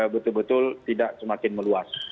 betul betul tidak semakin meluas